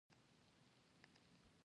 عینکي ډیر ډولونه لري